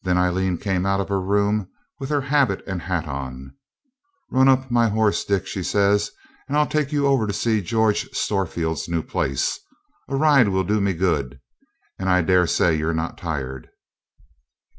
Then Aileen came out of her room with her habit and hat on. 'Run up my horse, Dick,' she says, 'and I'll take you over to see George Storefield's new place. A ride will do me good, and I daresay you're not tired.'